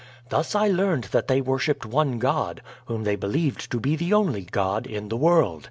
Thus I learned that they worshiped one God, whom they believed to be the only God, in the world.